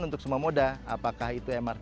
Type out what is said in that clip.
untuk semua moda apakah itu mrt